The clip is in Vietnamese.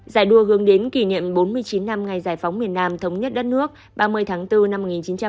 giải đua hướng đến kỷ niệm bốn mươi chín năm ngày giải phóng miền nam thống nhất đất nước ba mươi tháng bốn năm một nghìn chín trăm bảy mươi năm